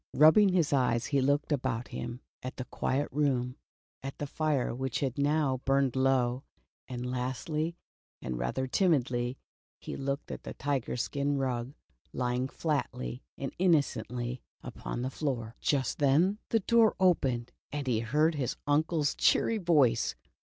Rub bing his eyes he looked about him at the quiet room, at the fire which had now burned low, and lastly, and rather timidly, he looked at the tiger skin rug lying flatly and innocently upon the floor. Just then the door opened, and he heard his uncle's cheery voice.